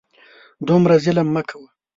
دومره ظلم مه کوه !